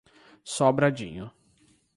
Sobradinho